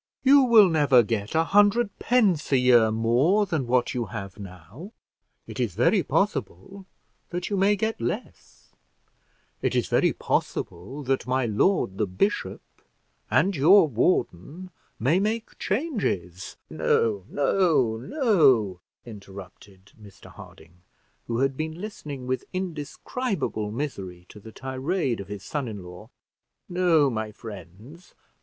You will never get a hundred pence a year more than what you have now: it is very possible that you may get less; it is very possible that my lord the bishop, and your warden, may make changes " "No, no, no," interrupted Mr Harding, who had been listening with indescribable misery to the tirade of his son in law; "no, my friends.